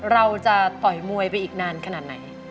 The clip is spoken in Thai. เราจะต่อยมวยไปอีกนานขนาดไหน